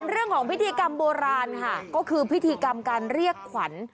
เรื่องของพิธีกรรมโบราณค่ะก็คือพิธีกรรมการเรียกขวัญ